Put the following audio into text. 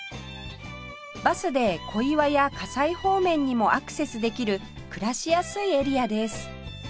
バスで小岩や西方面にもアクセスできる暮らしやすいエリアです